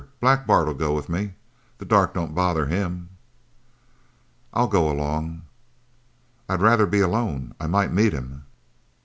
Black Bart'll go with me. The dark don't bother him." "I'll go along." "I'd rather be alone. I might meet him."